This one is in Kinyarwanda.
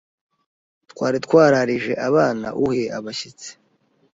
twari twararije abana uhe abashyitsi